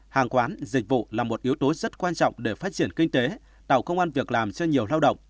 hàng quán dịch vụ là một yếu tố rất quan trọng để phát triển kinh tế tạo công an việc làm cho nhiều lao động